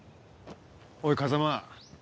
おい風真